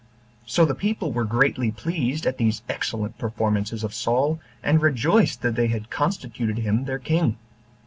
So the people were greatly pleased at these excellent performances of Saul, and rejoiced that they had constituted him their king.